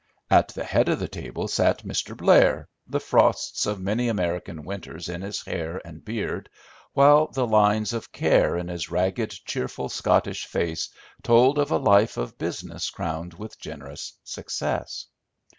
At the head of the table sat Mr. Blair, the frosts of many American winters in his hair and beard, while the lines of care in his ragged, cheerful Scottish face told of a life of business crowned with generous success.